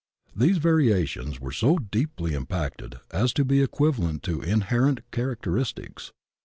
These variations were so deeply impacted as to be equivalent to inherent char acteristics.